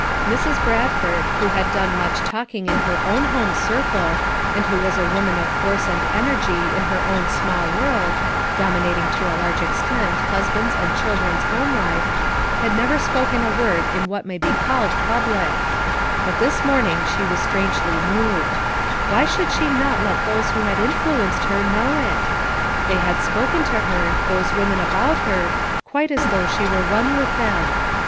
Mrs. Bradford, who had done much talking in her own home circle, and who was a woman of force and energy in her own small world, dominating to a large extent hus band's and children's home life, had never spoken a word in what may be called public j but this morning she was strangely moved ; why should she not let those who had influenced her know it? They had spoken to her, those women about her, quite as though she were one with them.